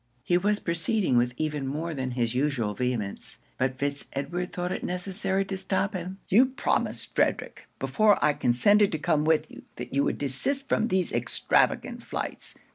He was proceeding with even more than his usual vehemence; but Fitz Edward thought it necessary to stop him. 'You promised, Frederic, before I consented to come with you, that you would desist from these extravagant flights.